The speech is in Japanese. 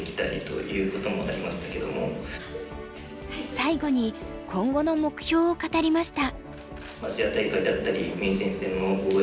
最後に今後の目標を語りました。